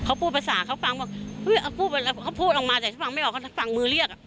เขาพูดภาษาเขาฟังบอกเขาพูดออกมาแต่ถ้าฟังไม่ออกเขาฟังมือเรียกอ่ะ